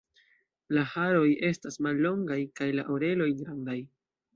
La haroj estas mallongaj kaj la oreloj grandaj.